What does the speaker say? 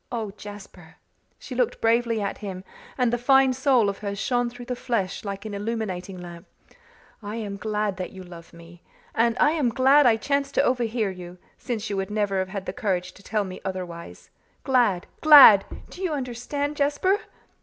Oh, Jasper" she looked bravely at him and the fine soul of her shone through the flesh like an illuminating lamp "I am glad that you love me! and I am glad I chanced to overhear you, since you would never have had the courage to tell me otherwise. Glad glad! Do you understand, Jasper?"